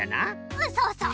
うんそうそう。